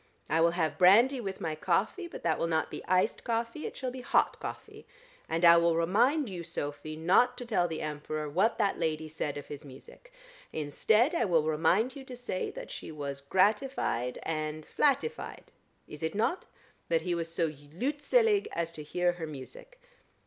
I will have brandy with my coffee, but that will not be iced coffee: it shall be hot coffee. And I will remind you, Sophy, not to tell the Emperor what that lady said of his music. Instead I will remind you to say that she was gratified and flattified is it not? that he was so leutselig as to hear her music.